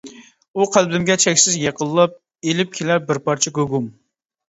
ئۇ قەلبىمگە چەكسىز يېقىنلاپ، ئېلىپ كېلەر بىر پارچە گۇگۇم.